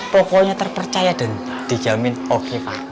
pokoknya terpercaya dan dijamin oke pak